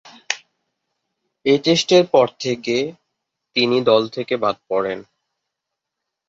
এ টেস্টের পর তিনি দল থেকে বাদ পড়েন।